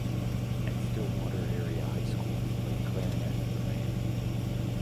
At Stillwater Area High School, he played clarinet in the band.